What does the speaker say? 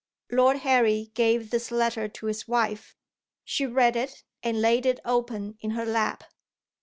Lord Harry gave this letter to his wife. She read it, and laid it open in her lap.